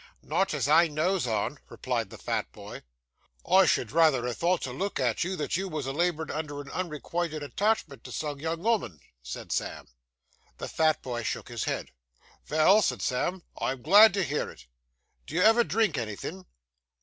'Not as I knows on,' replied the fat boy. 'I should rayther ha' thought, to look at you, that you was a labourin' under an unrequited attachment to some young 'ooman,' said Sam. The fat boy shook his head. 'Vell,' said Sam, 'I am glad to hear it. Do you ever drink anythin'?